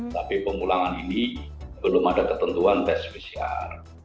tapi pemulangan ini belum ada ketentuan tes pcr